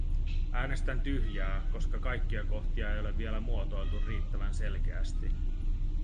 Äänestän tyhjää, koska kaikkia kohtia ei ole vielä muotoiltu riittävän selkeästi.